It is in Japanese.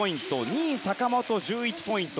２位坂本、１１ポイント。